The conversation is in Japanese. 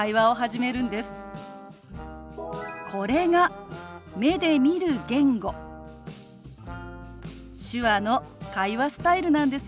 これが目で見る言語手話の会話スタイルなんですよ。